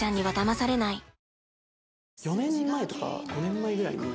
はい。